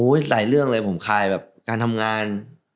หลายเรื่องเลยผมคายแบบการทำงาน